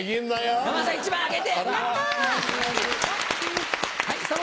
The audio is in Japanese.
山田さん１枚あげて。